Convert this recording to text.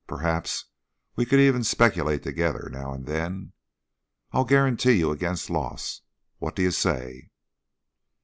Perhaps we can even speculate together now and then. I'll guarantee you against loss. What do you say?"